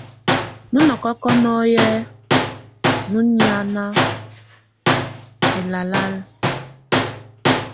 Nu nɔ́nɔk nɔ́ye nu yám ehálal ititi ɛ́sɛ ʼmbanj o yé naba ʼlɔkɔkɔtɔ.